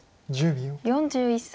４１歳。